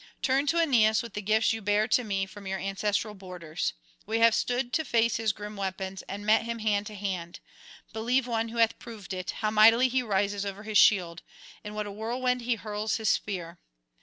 Turn to Aeneas with the gifts you bear to me from your ancestral borders. We have stood to face his grim weapons, and met him hand to hand; believe one who hath proved it, how mightily he rises over his shield, in what a whirlwind he hurls his spear.